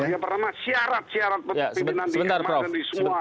yang pertama syarat syarat pimpinan di rumah dan di semua